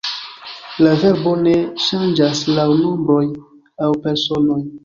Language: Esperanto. La verbo ne ŝanĝas laŭ nombroj aŭ personoj.